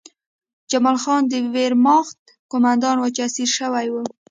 جمال خان د ویرماخت قومندان و چې اسیر شوی و